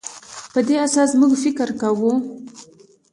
په دې اساس موږ فکر کوو.